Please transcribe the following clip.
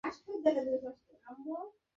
হাঁ, লাগে।